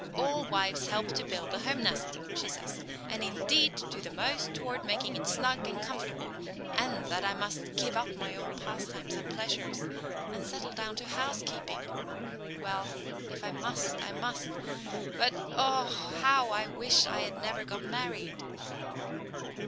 All wives help to build the home nest," she says, "and indeed do the most toward making it snug and comfortable, and that I must give up my old pastimes and pleasures and settle down to housekeeping. Well, if I must, I must, but oh! how I wish I had never got married."